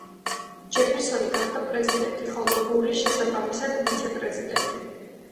ჯეფერსონი გახდა პრეზიდენტი, ხოლო ბური შესაბამისად ვიცე პრეზიდენტი.